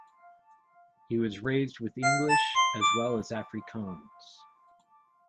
He was raised with English as well as Afrikaans.